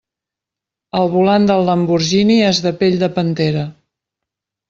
El volant del Lamborghini és de pell de pantera.